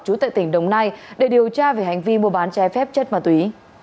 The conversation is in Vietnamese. trú tại tỉnh đồng nai để điều tra về hành vi mua bán trái phép chất ma túy